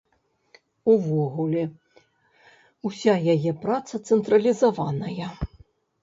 Увогуле, уся яе праца цэнтралізаваная.